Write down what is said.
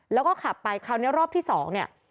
แล้วก็ขับไปคราวนี้รอบที่สองเนี่ย